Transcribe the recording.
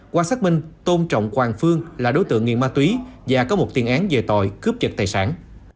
qua xác minh tôn trọng quang phương là đối tượng nghiện ma túy và có một tiền án về tội cướp giật tài sản